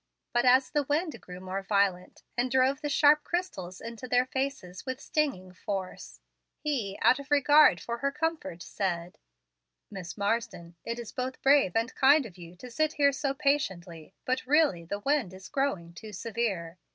But as the wind grew more violent, and drove the sharp crystals into their faces with stinging force, he, out of regard for her comfort, said: "Miss Marsden, it is both brave and kind of you to sit here so patiently, but really the wind is growing too severe.